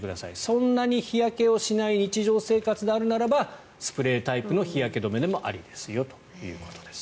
そんなに日焼けをしない日常生活であるならばスプレータイプの日焼け止めでもありですよということです。